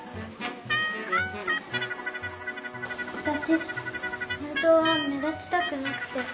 わたし本当は目立ちたくなくて。